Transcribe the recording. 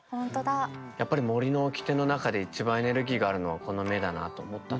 やっぱり「森の掟」の中で一番エネルギーがあるのはこの目だなと思ったんですね。